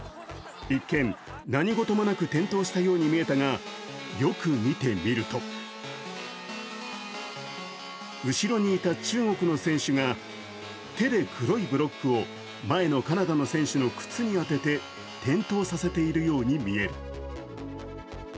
一見、何事もなく転倒したように見えたが、よく見てみると、後ろにいた中国の選手が手で黒いブロックを前のカナダの選手の靴に当てて転倒させているように見える。